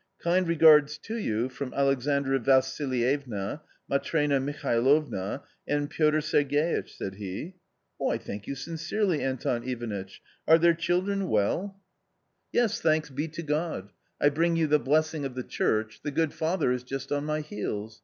" Kind regards to you from Alexandra Vassilievna, Matrena Mihailovna and Piotr Sergeitch," said he. "I thank you sincerely, Anton Ivanitch! Are their children well ?" B 18 A COMMON STORY " Yes, thanks be to God. I bring you the blessing of the church, the good father is just on my heels.